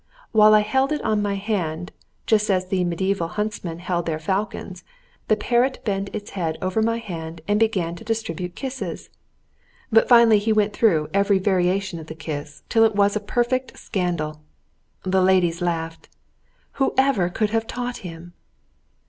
While I held it on my hand, just as the mediæval huntsmen held their falcons, the parrot bent its head over my hand and began to distribute kisses; but finally he went through every variation of the kiss till it was a perfect scandal. The ladies laughed. "Who ever could have taught him?"